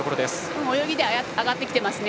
泳ぎで上がってきてますね。